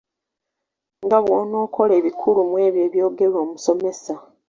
Nga bw’onokola ebikulu mw’ebyo ebyogerwa omusomesa.